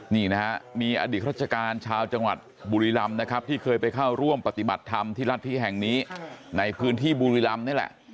นี่นะฮะมีอดีตราชการชาวจังหวัดบุรีรำนะครับที่เคยไปเข้าร่วมปฏิบัติธรรมที่รัฐธิแห่งนี้ในพื้นที่บุรีรำนี่แหละ